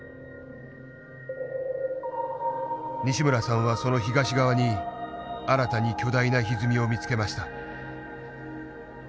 西村さんはその東側に新たに巨大なひずみを見つけました。